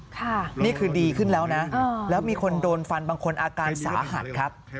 ค่ะนี่คือดีขึ้นแล้วนะแล้วมีคนโดนฟันบางคนอาการสาหัสครับ